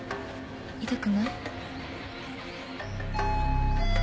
痛くない？